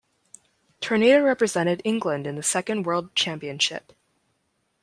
Tornado represented England in the Second World Championship.